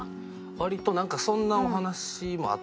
割となんかそんなお話もあって。